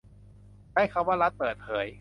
ใช้คำว่ารัฐเปิดเผย